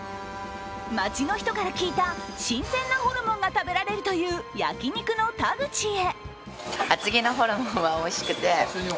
街の人から聞いた、新鮮なホルモンが食べられるという焼肉の田口へ。